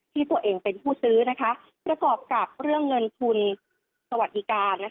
ที่ตัวเองเป็นผู้ซื้อประกอบกับเรื่องเงินทุนสวัสดิการ